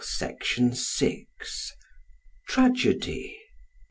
Section 6. Tragedy.